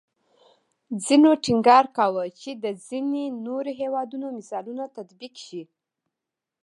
ځینو ټینګار کوو چې د ځینې نورو هیوادونو مثالونه تطبیق شي